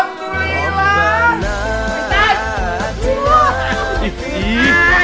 ntar sholatnya gak sah